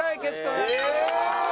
やった！